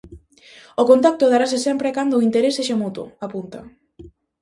"O contacto darase sempre e cando o interese sexa mutuo", apunta.